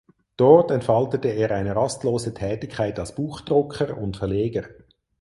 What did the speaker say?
Dort entfaltete er eine rastlose Tätigkeit als Buchdrucker und Verleger.